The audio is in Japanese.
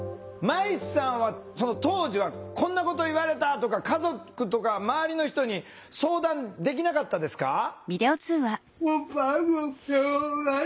まいさんは当時はこんなこと言われたとか家族とか周りの人に相談できなかったですか？